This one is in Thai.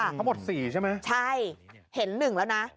ทั้งหมด๔ใช่ไหมใช่เห็น๑แล้วนะ